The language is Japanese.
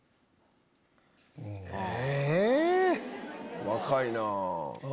え？